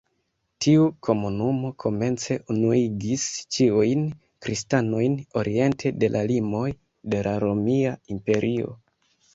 Tiu komunumo komence unuigis ĉiujn kristanojn oriente de la limoj de la Romia Imperio.